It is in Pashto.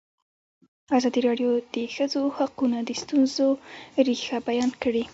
ازادي راډیو د د ښځو حقونه د ستونزو رېښه بیان کړې.